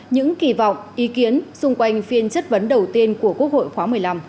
những kỳ vọng ý kiến xung quanh phiên chất vấn đầu tiên của quốc hội khóa một mươi năm